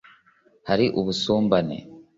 hari ubusumbane